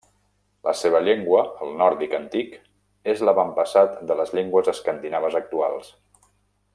La seva llengua, el nòrdic antic, és l'avantpassat de les llengües escandinaves actuals.